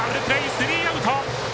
スリーアウト。